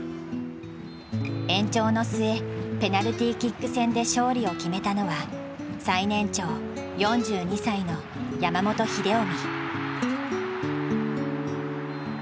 延長の末ペナルティーキック戦で勝利を決めたのは最年長４２歳の山本英臣。